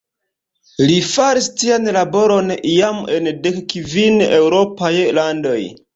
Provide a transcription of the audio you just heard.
Li faris tian laboron iam en dek kvin eŭropaj landoj.